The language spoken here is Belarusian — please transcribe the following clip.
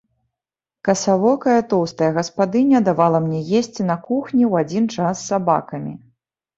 Касавокая тоўстая гаспадыня давала мне есці на кухні ў адзін час з сабакамі.